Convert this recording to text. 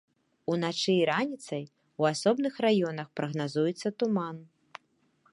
Уначы і раніцай у асобных раёнах прагназуецца туман.